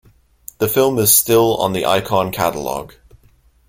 The film is still on the Icon Catalogue.